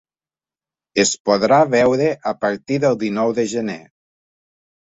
Es podrà veure a partir del dinou de gener.